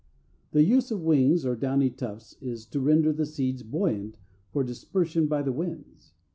The use of wings, or downy tufts is to render the seeds buoyant for dispersion by the winds.